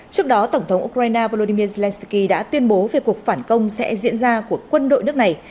trước đó tổng thống ukraine volodymyr zelensky đã tuyên bố về cuộc phản công sẽ diễn ra của quân đội nước này